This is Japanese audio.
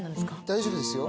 大丈夫ですよ。